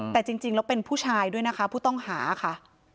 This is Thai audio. แต่จริงแล้วเป็นผู้ชายด้วยนะคะผู้ต้องหาค่ะ